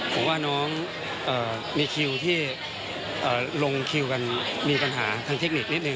ผมว่าน้องมีคิวที่ลงคิวกันมีปัญหาทางเทคนิคนิดนึ